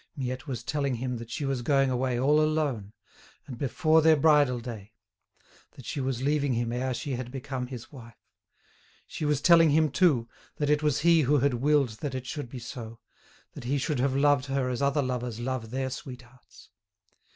Miette was telling him that she was going away all alone, and before their bridal day; that she was leaving him ere she had become his wife. She was telling him, too, that it was he who had willed that it should be so, that he should have loved her as other lovers love their sweethearts.